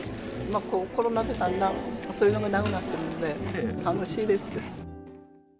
コロナでだんだんそういうのがなくなってるんで、楽しいです。